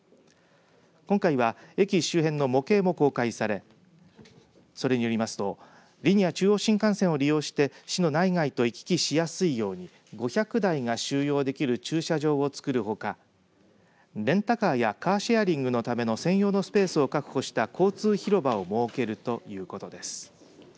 今回は駅周辺の模型も公開されそれによりますとリニア中央新幹線を利用して市の内外と行き来しやすいように５００台が収容できる駐車場を作るほかレンタカーやカーシェアリングのための専用のスペースを確保した交通広場を設けるということです。